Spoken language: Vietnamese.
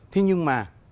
thế nhưng mà